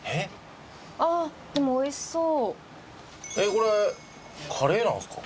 これカレーなんですか？